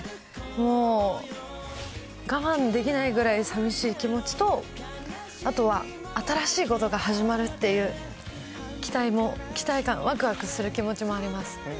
もう、我慢できないくらいさみしい気持ちと、あとは、新しいことが始まるっていう期待も、期待感、わくわくする気持ちもあります。